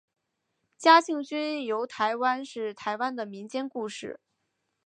嘉庆君游台湾是台湾的民间故事。